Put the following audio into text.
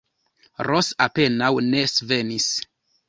Ros apenaŭ ne svenis.